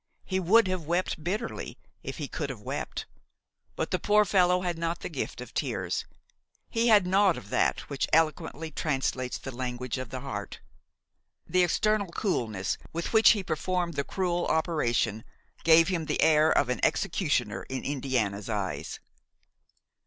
He would have wept bitterly if he could have wept; but the poor fellow had not the gift of tears; he had naught of that which eloquently translates the language of the heart. The external coolness with which he performed the cruel operation gave him the air of an executioner in Indiana's eyes.